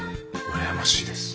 羨ましいです。